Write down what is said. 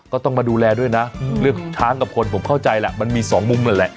ก็ต้องมาดูแลด้วยนะเรื่องช้างกับคนผมเข้าใจแหละมันมีสองมุมนั่นแหละ